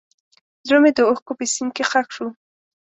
زړه مې د اوښکو په سیند کې ښخ شو.